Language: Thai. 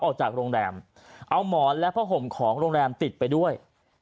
ออกจากโรงแรมเอาหมอนและผ้าห่มของโรงแรมติดไปด้วย